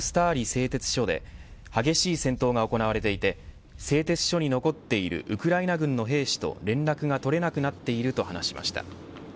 製鉄所で激しい戦闘が行われていて製鉄所に残っているウクライナ軍の兵士と連絡が取れなくなっていると話しました。